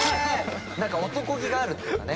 何か男気があるっていうかね。